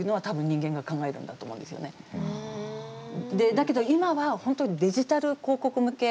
だけど、今は本当にデジタル広告向け。